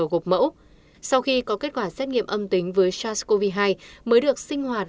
gộp mẫu sau khi có kết quả xét nghiệm âm tính với sars cov hai mới được sinh hoạt